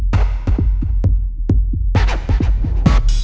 kamu terlalu baik